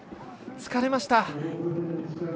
疲れました。